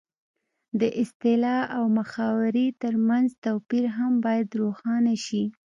د اصطلاح او محاورې ترمنځ توپیر هم باید روښانه شي